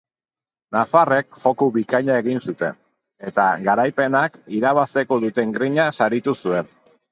Nafarrek joko bikaina egin zuten, eta garaipenak irabazteko duten grina saritu zuen.